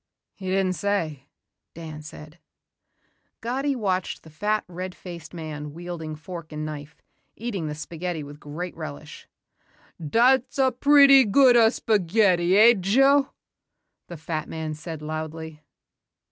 "He didn't say," Dan said. Gatti watched the fat, red faced man wielding fork and knife, eating the spaghetti with great relish. "Dat's a pretty good a' spaghetti, eh Joe?" the fat man said loudly.